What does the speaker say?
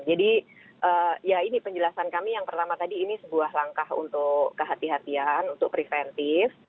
jadi ya ini penjelasan kami yang pertama tadi ini sebuah langkah untuk kehati hatian untuk preventif